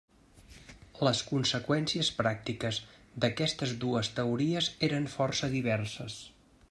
Les conseqüències pràctiques d'aquestes dues teories eren força diverses.